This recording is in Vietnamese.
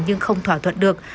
nhưng không thỏa thuận được